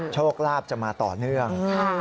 โชคลาภจะมาต่อเนื่อง